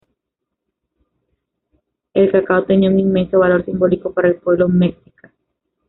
El cacao tenía un inmenso valor simbólico para el pueblo mexica.